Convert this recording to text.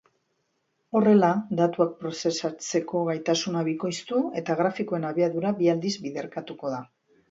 Horrela, datuak prozesatzeko gaitasuna bikoiztu eta grafikoen abiadura bi aldiz biderkatuko du.